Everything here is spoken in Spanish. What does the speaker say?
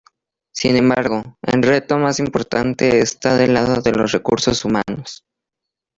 Sin embargo, el reto más importante está del lado de los recursos humanos.